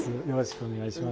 よろしくお願いします。